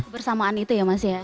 kebersamaan itu ya mas ya